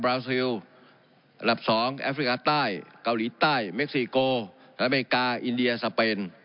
ราซิลอันดับ๒แอฟริกาใต้เกาหลีใต้เม็กซีโกอเมริกาอินเดียสเปน